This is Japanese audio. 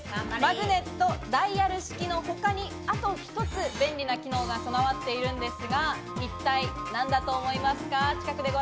マグネット、ダイヤル式の他にあと一つ便利な機能が備わっているんですが、一体何だと思いますか？